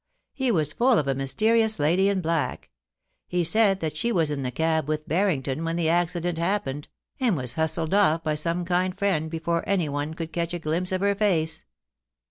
He was full of a mysterious lady in black. He said that she was in the cab with Barrington when the accidait happened, and was hustled off by some kind friend before anyone could catch a glimpse of her face.'